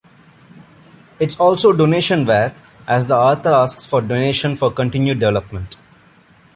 It is also Donationware, as the author asks for donations for continued development.